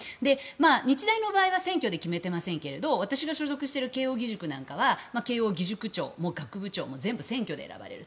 日大の場合は選挙で決めてませんけど私が所属している慶應義塾なんかは慶應義塾長も学部長も全部、選挙で選ばれる。